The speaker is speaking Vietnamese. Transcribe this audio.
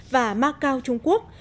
và macau trung quốc